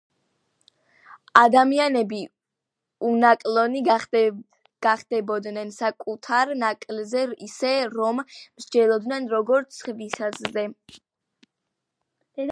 ადამიანები უნაკლონი გახდებოდნენ, საკუთარ ნაკლზეც ისე რომ მსჯელობდნენ, როგორც სხვისაზე.